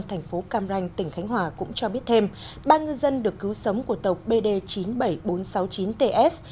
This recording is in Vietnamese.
thành phố cam ranh tỉnh khánh hòa cũng cho biết thêm ba ngư dân được cứu sống của tàu bd chín mươi bảy nghìn bốn trăm sáu mươi chín ts